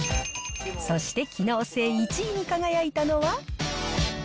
そして機能性１位に輝いたのは。